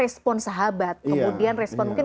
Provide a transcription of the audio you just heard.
respon sahabat kemudian respon mungkin